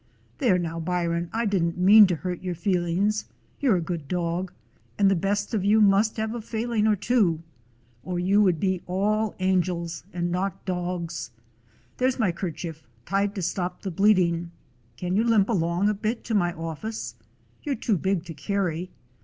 "There now, Byron, I did n't mean to hurt your feelings. You 're a good dog, and the best of you must have a failing or two, or you 120 A DOG OF SCOTLAND would all be angels and not dogs. There 's my kerchief tied to stop the bleeding. Can you limp along a bit to my office? You're too big to carry.